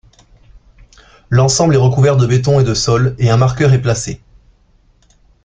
L'ensemble est recouvert de béton et de sol et un marqueur est placé.